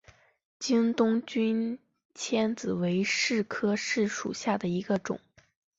景东君迁子为柿科柿属下的一个种。